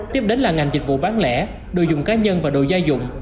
tiếp đến là ngành dịch vụ bán lẻ đồ dùng cá nhân và đồ gia dụng